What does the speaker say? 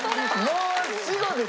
もう死語ですよ。